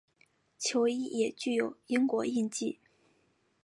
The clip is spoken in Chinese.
球衣也具有英国印记。